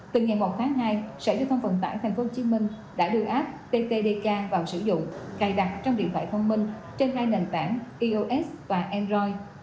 từ ngày một tháng hai sở yêu thông phận tải tp hcm đã đưa app ttdk vào sử dụng cài đặt trong điện thoại phong minh trên hai nền tảng ios và android